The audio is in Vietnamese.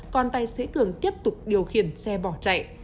còn tài xế cường tiếp tục điều khiển xe bỏ chạy